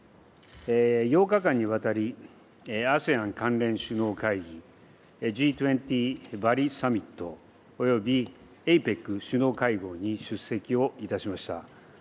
８日間にわたり、ＡＳＥＡＮ関連首脳会議、Ｇ２０バリ・サミット、およびＡＰＥＣ首脳会合に出席をいたしました。